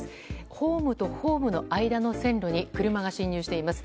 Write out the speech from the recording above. ホームとホームの間の線路に車が進入しています。